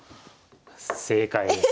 正解です。